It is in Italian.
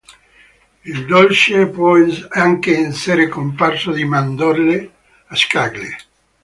Il dolce può anche essere cosparso di mandorle a scaglie.